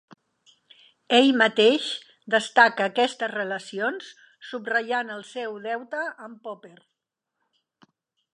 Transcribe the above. Ell mateix destaca aquestes relacions subratllant el seu deute amb Popper.